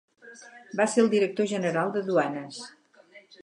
Va ser el director general de duanes.